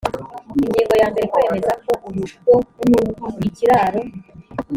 ingingo yambere kwemeza ko urugo ikiraro